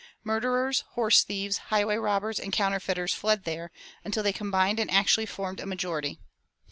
Murderers, horse thieves, highway robbers, and counterfeiters fled there, until they combined and actually formed a majority.